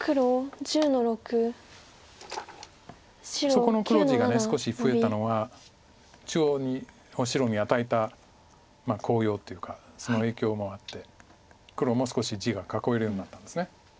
そこの黒地が少し増えたのは中央を白に与えた効用というかその影響もあって黒も少し地が囲えるようになったんです。